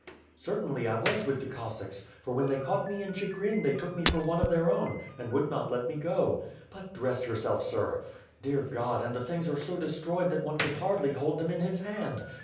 '' "Certainly, I was with the Cossacks; for when they caught me in Chigrin they took me for one of their own, and would not let me go. But dress yourself, sir! Dear God, and the things are so destroyed that one can hardly hold them in his hand.